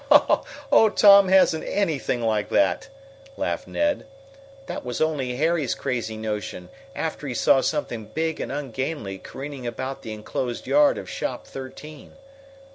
"Oh, Tom hasn't anything like that!" laughed Ned. "That was only Harry's crazy notion after he saw something big and ungainly careening about the enclosed yard of Shop Thirteen.